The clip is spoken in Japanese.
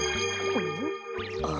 あれ？